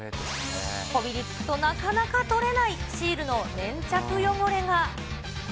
こびりつくとなかなか取れないシールの粘着汚れが。